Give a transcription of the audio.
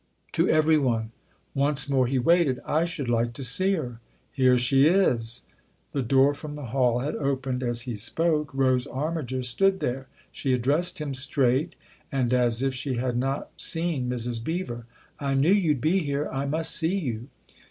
" To every one." Once more he waited. " I should like to see her." " Here she is." The door from the hall had opened as he spoke : Rose Armiger stood there. She addressed him straight and as if she had not seen Mrs. Beever. " I knew you'd be here I must see you."